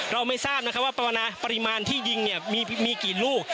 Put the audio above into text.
เราไม่ทราบนะครับว่าปริมาณที่ยิงมีกี่ลูก